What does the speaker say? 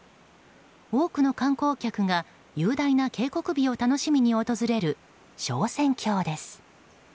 多くの観光客が雄大な渓谷美を楽しみに訪れる昇仙峡です。